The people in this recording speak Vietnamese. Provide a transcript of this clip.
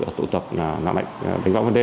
ở tụ tập lạng lạnh bình võng bần đêm